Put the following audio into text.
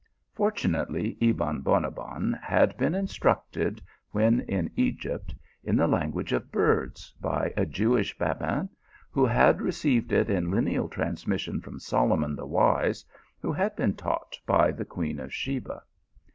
Fortunately Ebon Bonabbon had been instructed, when in Egypt, in the languag e of birds, by a Jewish Rabbin, who had received it in lineal transmission from Solomon the wise, who had been taught it by the Queen of Sheba.